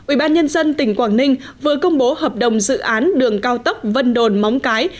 ubnd tỉnh quảng ninh vừa công bố hợp đồng dự án đường cao tốc vân đồn móng cái